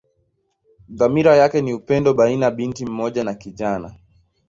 Dhamira yake ni upendo baina binti mmoja na kijana.